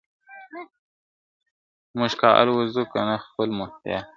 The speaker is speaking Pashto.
موږ که الوزو کنه خپل مو اختیار دی ..